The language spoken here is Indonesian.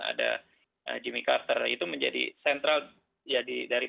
ada jimmy carter itu menjadi sentral dari